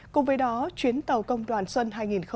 cùng với đó chuyến tàu công đoàn xuân hai nghìn hai mươi bốn